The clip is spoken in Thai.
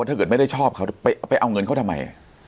ถ้าเกิดไม่ได้ชอบเขาไปเอาเงินเขาทำไม